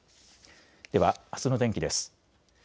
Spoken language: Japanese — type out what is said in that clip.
では、あすの天気です。